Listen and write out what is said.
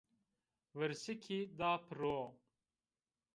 Virsikî da piro